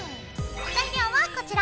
材料はこちら。